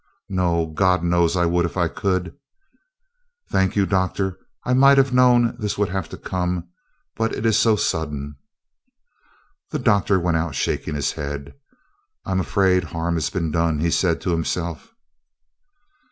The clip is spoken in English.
"None. God knows I would if I could." "Thank you, Doctor; I might have known this would have to come, but it is so sudden." The Doctor went out shaking his head. "I am afraid harm has been done," he said to himself.